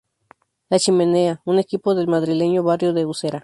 La Chimenea, un equipo del madrileño barrio de Usera.